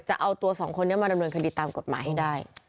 จะเอาตัวสองคนนี้มาดำเนินคดีตามกฎหมายให้ได้